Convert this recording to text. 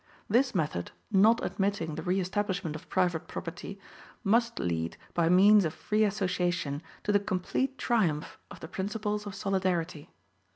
This method, not admitting the re establishment of private property, must lead, by means of free association, to the complete triumph of the principles of solidarity.